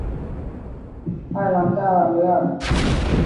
埃朗盖尔维尔。